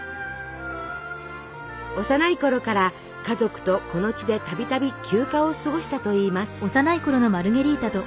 幼いころから家族とこの地でたびたび休暇を過ごしたといいます。